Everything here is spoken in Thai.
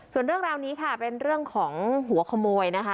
ส่วนเรื่องราวนี้ค่ะเป็นเรื่องของหัวขโมยนะคะ